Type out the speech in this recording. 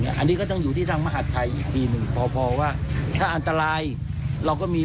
อันนี้ก็ต้องอยู่ที่ทางมหาดไทยอีกทีหนึ่งพอพอว่าถ้าอันตรายเราก็มี